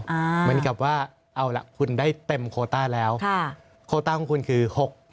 เหมือนกับว่าเอาล่ะคุณได้เต็มโคต้าแล้วค่ะโคต้าของคุณคือหก